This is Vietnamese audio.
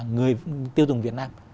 người tiêu dùng việt nam